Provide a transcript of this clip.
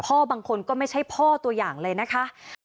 บางคนก็ไม่ใช่พ่อตัวอย่างเลยนะคะ